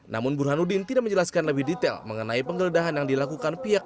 namun burhanuddin tidak menjelaskan lebih detail mengenai penggeledahan yang dilakukan pihak